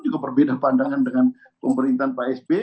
juga berbeda pandangan dengan pemerintahan pak sp